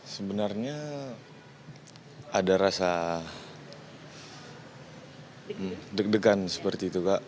sebenarnya ada rasa deg degan seperti itu kak